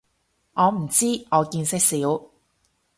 我唔知，我見識少